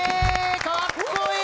かっこいい！